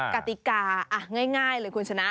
กติกาง่ายเลยคุณชนะ